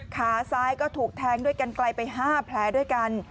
ขาซ้ายก็ถูกแทงด้วยกันไกลไป๕แผลด้วยกัน